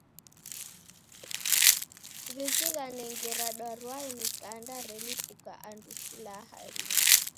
W'izighane ngera darwae mikanda relipuka angu silaha ringi.